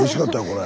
これ。